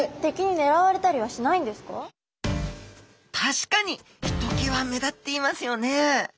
確かにひときわ目立っていますよね。